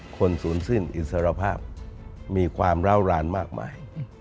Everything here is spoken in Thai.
ศูนย์สิ้นอิสรภาพมีความร้าวรานมากมาย